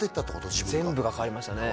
自分が全部が変わりましたね